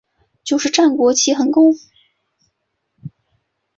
就是战国的齐桓公。